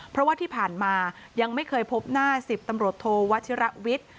เพราะว่าที่ผ่านมายังไม่เคยพบหน้า๑๐ตำรวจโทวัชิระวิทย์